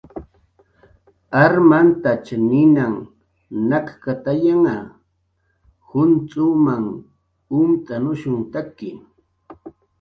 Armantach ninanh nakkatayanha, juncx'umanh umt'anushuntaki